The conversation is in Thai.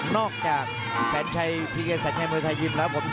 นอกจากแสนใชมือทายยิ่มแล้วของผม